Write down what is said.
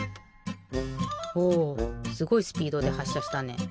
おすごいスピードではっしゃしたね。